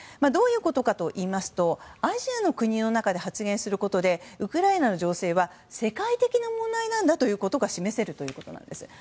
どういうことかといいますとアジアの国の中で発言することでウクライナの情勢は世界的な問題なんだということが示せるということなんです。